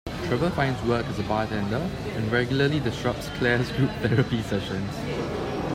Trevor finds work as a bartender, and regularly disrupts Claire's group therapy sessions.